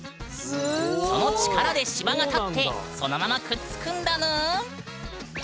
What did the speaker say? その力で芝が立ってそのままくっつくんだぬーん！